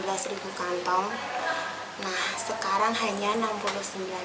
nah sekarang hanya enam puluh sembilan